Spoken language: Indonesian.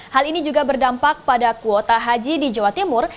hal ini juga berdampak pada kuota haji di jawa timur